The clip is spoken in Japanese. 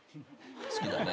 好きだね。